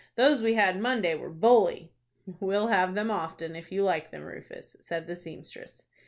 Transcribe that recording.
Those we had Monday were bully." "We'll have them often, if you like them, Rufus," said the seamstress.